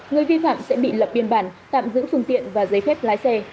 người vi phạm sẽ bị lập biên bản tạm giữ phương tiện và giấy phép lái xe